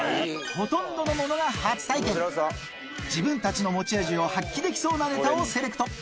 ほとんどのものが初体験自分たちの持ち味を発揮できそうなネタをセレクト